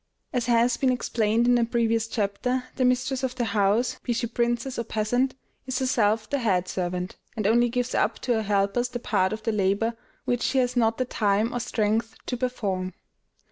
As has been explained in a previous chapter, the mistress of the house be she princess or peasant is herself the head servant, and only gives up to her helpers the part of the labor which she has not the time or strength to perform.